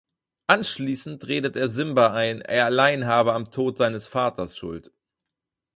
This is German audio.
Anschließend redet er Simba ein, er allein habe am Tod seines Vaters Schuld.